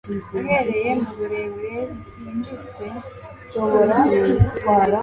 Uhereye mu burebure bwimbitse bwubugingo